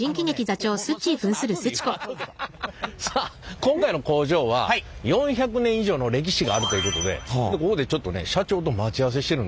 さあ今回の工場は４００年以上の歴史があるということでここでちょっとね社長と待ち合わせしてるんですよ。